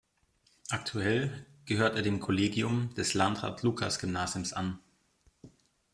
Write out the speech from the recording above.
Aktuell gehört er dem Kollegium des Landrat-Lucas-Gymnasiums an.